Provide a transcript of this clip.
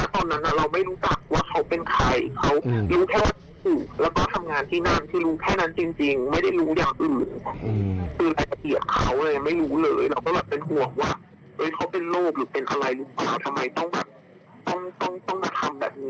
คือเราก็อะไรหนึ่งเอาจริงเราก็กลัวจะท้องกลัวอะไรด้วย